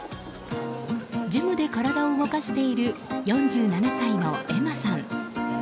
ジムで体を動かしている４７歳のえまさん。